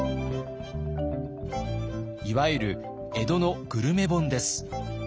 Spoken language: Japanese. いわゆる江戸のグルメ本です。